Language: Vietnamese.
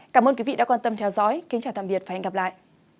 cảm ơn quý vị đã quan tâm theo dõi kính chào tạm biệt và hẹn gặp lại